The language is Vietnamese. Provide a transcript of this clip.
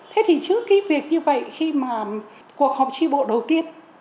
thế thì trước cái việc như vậy khi mà cuộc họp tri bộ đầu tiên